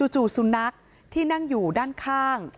จู่สุนัขที่นั่งอยู่ด้านข้าง